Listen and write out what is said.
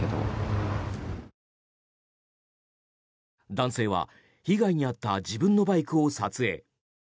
男性は被害に遭った自分のバイクを撮影。